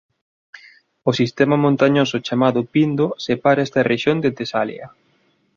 O sistema montañoso chamado Pindo separa esta rexión de Tesalia.